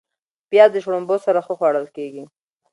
پیاز د شړومبو سره ښه خوړل کېږي